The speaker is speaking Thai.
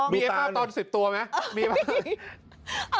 มีภาพตอนสิบตัวมั้ย